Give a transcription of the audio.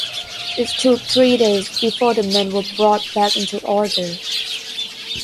It took three days before the men were brought back into order.